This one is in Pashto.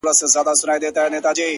• ما چي څه لیکلي د زمان بادونو وړي دي ,